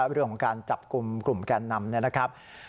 เรื่องการจับกลุ่มกลุ่มแก่นำ